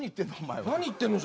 何言ってんの？